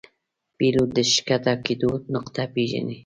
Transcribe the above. پیلوټ د ښکته کېدو نقطه پیژني.